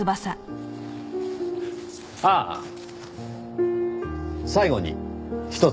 ああ最後にひとつだけ。